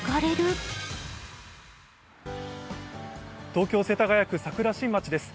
東京・世田谷区桜新町です。